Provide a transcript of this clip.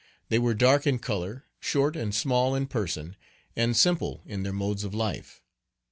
They were dark in color, short and small in person, and simple in their modes of life.